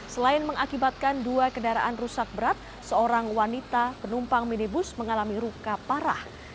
selain mengakibatkan dua kendaraan rusak berat seorang wanita penumpang minibus mengalami luka parah